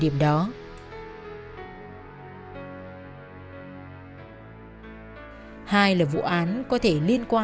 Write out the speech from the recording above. nó ngó lên